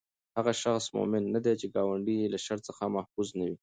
هغه شخص مؤمن نه دی، چې ګاونډی ئي له شر څخه محفوظ نه وي